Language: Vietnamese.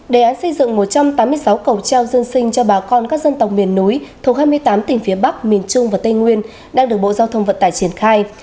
đề án xây dựng một trăm tám mươi sáu cầu treo dân sinh cho bà con các dân tộc miền núi thuộc hai mươi tám tỉnh phía bắc miền trung và tây nguyên đang được bộ giao thông vận tải triển khai